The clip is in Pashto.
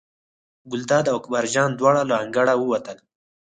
ګلداد او اکبر جان دواړه له انګړه ووتل.